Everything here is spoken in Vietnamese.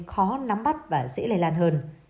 khó nắm bắt và dễ lệnh